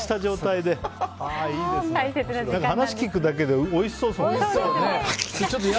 でも話を聞くだけでおいしそうですよね。